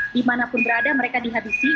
dimanapun berada mereka dihabisi